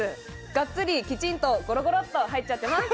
ガッツリ、きちんと、ゴロゴロっと入っちゃってます。